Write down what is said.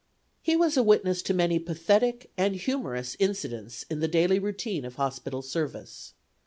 He was a witness to many pathetic and humorous incidents in the daily routine of hospital service.